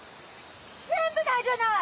全部ないじゃない！